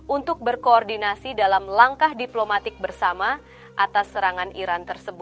untuk berkoordinasi dalam langkah diplomatik bersama atas serangan iran tersebut